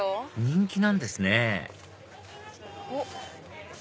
人気なんですねおっ。